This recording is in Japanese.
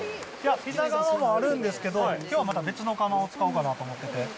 いや、ピザ窯もあるんですけど、きょうはまた別の釜を使おうかなと思ってて。